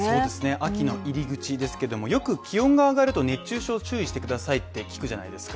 秋の入り口ですけどもよく気温が上がると熱中症注意してくださいって聞くじゃないですか